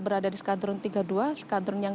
berada di sekadron tiga puluh dua sekadron yang